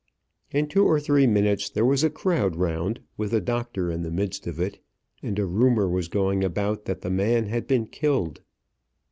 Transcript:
In two or three minutes there was a crowd round, with a doctor in the midst of it, and a rumour was going about that the man had been killed.